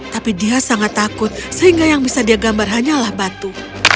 tapi dia sangat takut sehingga yang bisa dia gambar hanyalah batu